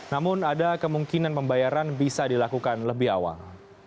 namun ada kemungkinan pembayaran bisa dilakukan lebih awal